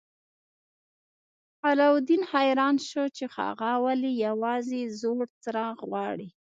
علاوالدین حیران شو چې هغه ولې یوازې زوړ څراغ غواړي.